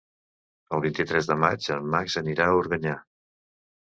El vint-i-tres de maig en Max anirà a Organyà.